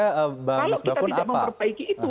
kalau kita tidak memperbaiki itu